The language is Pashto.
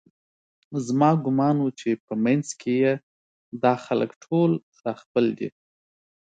زما ګومان و چې په منځ کې یې دا خلک ټول راخپل دي